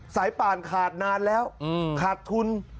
สายป่านขาดนานแล้วขาดทุน